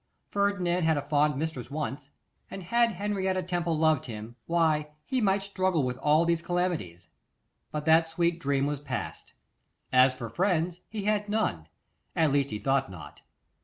Ferdinand had a fond mistress once, and had Henrietta Temple loved him, why, he might struggle with all these calamities; but that sweet dream was past. As for friends, he had none, at least he thought not.